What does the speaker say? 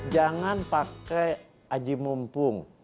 jangan pakai aji mumpung